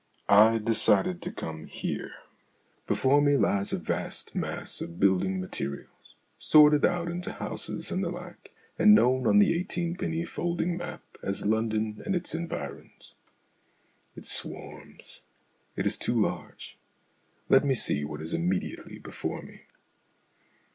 I decided to come here. Before me lies a vast mass of building materials, sorted out into houses and the like, and known on the eighteenpenny folding map as " London and its Environs." It swarms. It is too large. Let me see what is immediately before me.